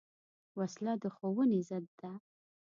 وسله د ښوونې ضد ده